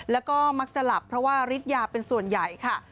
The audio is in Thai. แล้วก็มักจะหลับเพราะว่าฤทธิ์ยาเป็นส่วนใหญ่ค่ะ